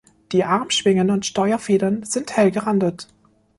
Die Armschwingen und Steuerfedern sind hell gerandet.